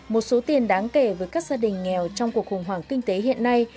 một số tiền đáng kể với các gia đình nghèo trong cuộc khủng hoảng kinh tế hiện nay